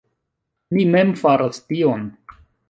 Mi mem faras tion.